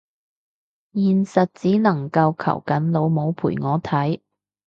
現實只能夠求緊老母陪我睇